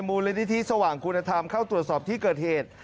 มูลนิธิสว่างคุณธรรมเข้าตรวจสอบที่เกิดเหตุ